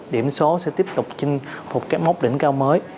điểm số sẽ tiếp tục trên một cái mốc đỉnh cao mới